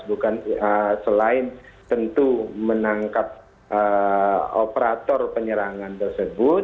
bukan selain tentu menangkap operator penyerangan tersebut